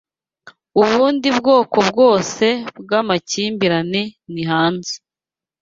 Ubundi bwoko bwose bwamakimbirane ni hanze